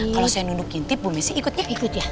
kalau saya nunduk ngintip bu messi ikut ya